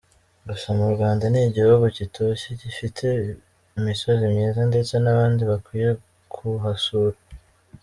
Gusa mu Rwanda ni igihugu gitoshye gifite imisozi myiza ndetse n’abandi bakwiye kuhasura.